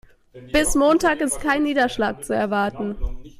Bis Montag ist kein Niederschlag zu erwarten.